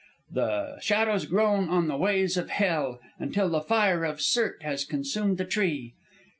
The shadows groan on the ways of Hel, until the fire of Surt has consumed the tree.